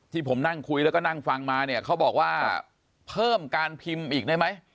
ที่ผมนั่งคุยแล้วก็นั่งฟังมาเนี่ยเขาบอกว่าเพิ่มการพิมพ์อีกได้ไหม